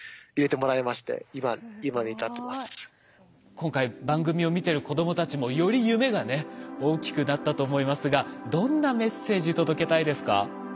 今回番組を見てる子どもたちもより夢がね大きくなったと思いますがどんなメッセージ届けたいですか？